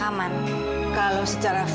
aida butuh bapak